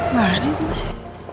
mana itu mas ya